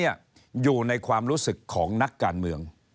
อยู่ในความรู้สึกของนักการเมือง